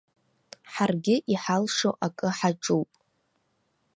Ҳаргьы иҳалшо акы ҳаҿуп.